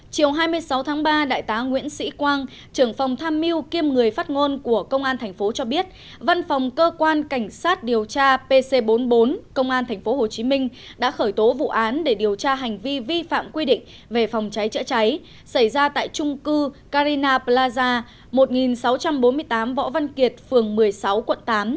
chiều hai mươi sáu tháng ba đại tá nguyễn sĩ quang trưởng phòng tham miu kiêm người phát ngôn của công an thành phố cho biết văn phòng cơ quan cảnh sát điều tra pc bốn mươi bốn công an thành phố hồ chí minh đã khởi tố vụ án để điều tra hành vi vi phạm quy định về phòng cháy chữa cháy xảy ra tại trung cư carina plaza một nghìn sáu trăm bốn mươi tám võ văn kiệt phường một mươi sáu quận tám